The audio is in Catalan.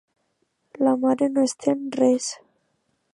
La mare no entén res.